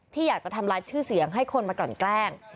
ที่อยากจะทำลายชื่อเสียงให้คนมากลั่นแกล้ง